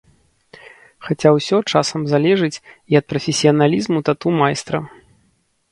Хаця ўсё часам залежыць і ад прафесіяналізму тату-майстра.